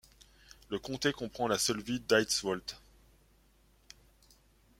Le comté comprend la seule ville d'Eidsvold.